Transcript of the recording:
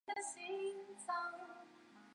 跑去吃一间古色古香的店